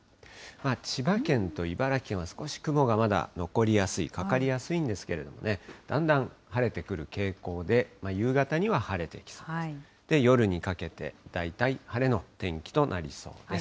千葉県と茨城県は少し雲がまだ残りやすい、かかりやすいんですけれどもね、だんだん晴れてくる傾向で、夕方には晴れてきそうです。